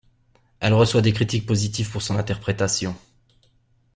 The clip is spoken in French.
Elle reçoit des critiques positives pour son interprétation.